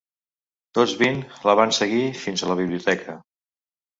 Tots vint la van seguir fins a la biblioteca.